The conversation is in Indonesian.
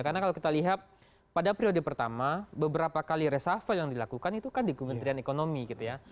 karena kalau kita lihat pada periode pertama beberapa kali resafel yang dilakukan itu kan di kementerian ekonomi gitu ya